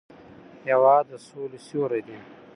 هېواد د سولې سیوری دی.